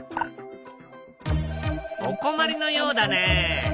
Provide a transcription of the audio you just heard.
お困りのようだね。